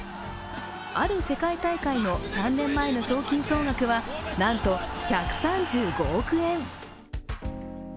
ある世界大会の３年前の賞金総額はなんと１３５億円。